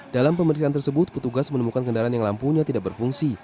dalam pemeriksaan tersebut petugas menemukan kendaraan yang lampunya tidak berfungsi